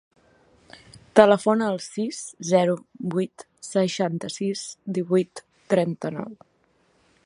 Telefona al sis, zero, vuit, seixanta-sis, divuit, trenta-nou.